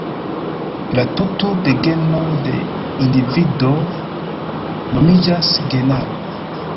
La tuto de genoj de individuo nomiĝas genaro.